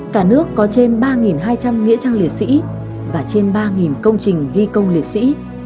cả nước có trên ba hai trăm linh nghĩa trang liệt sĩ và trên ba công trình ghi công liệt sĩ